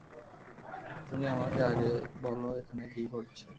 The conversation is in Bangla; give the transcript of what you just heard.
তুমি আমাকে আগে বলো এখানে কী ঘটছে।